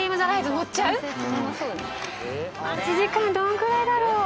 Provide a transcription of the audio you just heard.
待ち時間どんくらいだろう？